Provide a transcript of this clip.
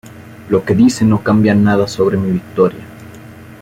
Lo que dice no cambia nada sobre mi victoria.